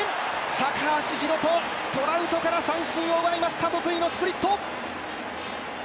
高橋宏斗、トラウトから三振を奪いました得意のスプリット！